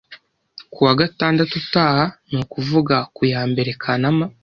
Ku wa gatandatu utaha, ni ukuvuga ku yambere Kanama.